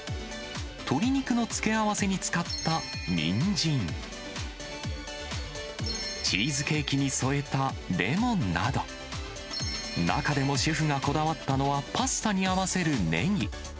鶏肉の付け合わせに使ったにんじん、チーズケーキに添えたレモンなど、中でもシェフがこだわったのは、パスタに合わせるねぎ。